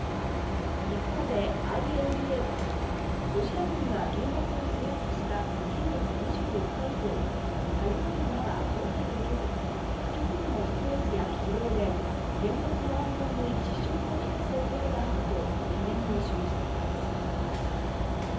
一方でＩＡＥＡはロシア軍が原発を制圧した先月２４日以降作業員らが交代できず極度のストレスや疲労で原発の安全に支障を来す恐れがあると懸念を示しています。